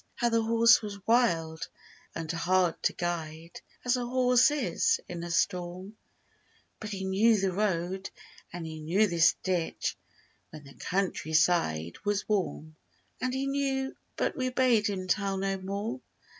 How the horse was wild and hard to guide, As a horse is, in a storm; But he knew the road and he knew this ditch When the country side was warm. And he knew—but we bade him tell no more.